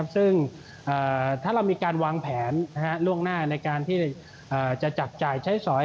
ซึ่งถ้าเรามีการวางแผนล่วงหน้าในการที่จะจับจ่ายใช้สอย